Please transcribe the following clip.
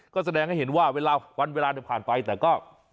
ก็แสดงให้เห็นว่าเวลาวันเวลาผ่านไปแต่ก็